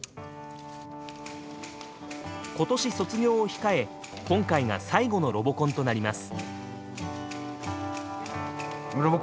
今年卒業を控え今回が最後のロボコンとなります。